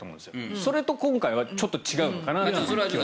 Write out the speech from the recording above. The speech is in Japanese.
それと今回はちょっと違うのかなと。